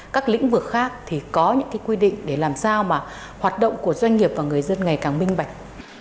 các lĩnh vực khác thì có những quy định để làm sao mà hoạt động của doanh nghiệp và người dân ngày càng minh bạch